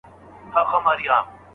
لیکوال به اصلاح وړاندیز کړي.